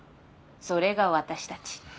それが私たち。